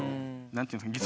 何て言うんですか